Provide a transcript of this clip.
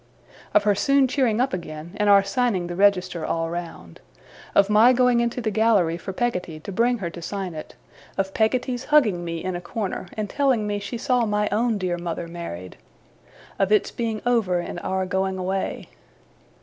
Of her soon cheering up again, and our signing the register all round. Of my going into the gallery for Peggotty to bring her to sign it; of Peggotty's hugging me in a corner, and telling me she saw my own dear mother married; of its being over, and our going away.